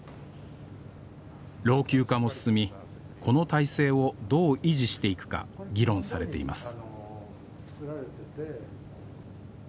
老朽化も進みこの体制をどう維持していくか議論されています